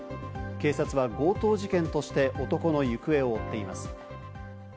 警察は強盗事件として男の行方を追っています。